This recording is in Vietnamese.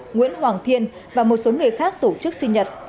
nguyễn hoàng thiên và một số người khác tổ chức sinh nhật